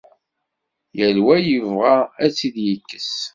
Yal wa yebɣa ad tt-id-yekkes.